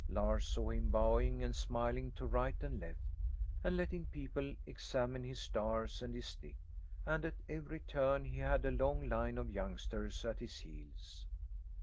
Lars saw him bowing and smiling to right and left, and letting people examine his stars and his stick, and, at every turn, he had a long line of youngsters at his heels.